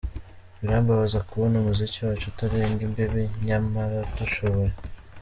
Birambabaza kubona umuziki wacu utarenga imbibi myamara dushoboye.